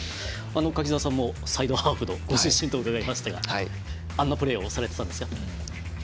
柿澤さんもサイドハーフのご出身ということでございましたがあんなプレーをされてたんですか。